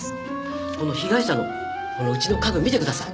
この被害者のこのうちの家具見てください